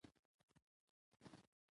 په هر قوم کې